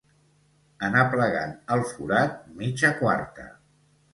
En aplegant al forat, mitja quarta.